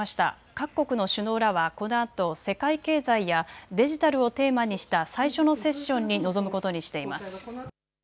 各国の首脳らがこのあと世界経済やデジタルをテーマにした最初のセッションに臨むことにしています。